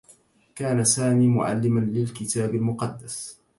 كان سامي معلّما للكتاب المقدّس.